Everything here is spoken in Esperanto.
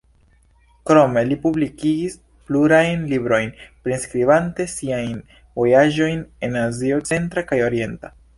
Krome, li publikigis plurajn librojn priskribante siajn vojaĝojn en Azio centra kaj orienta.